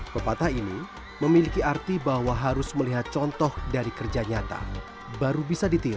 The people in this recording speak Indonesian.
pepatah ini memiliki arti bahwa harus melihat contoh dari kerja nyata baru bisa ditiru